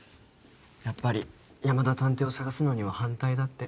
やっぱり山田探偵を捜すのには反対だって。